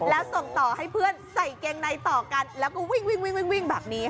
แล้วส่งต่อให้เพื่อนใส่เกงในต่อกันแล้วก็วิ่งแบบนี้ค่ะ